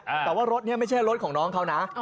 แต่ว่ารถนี้ไม่ใช่รถของน้องเขานะ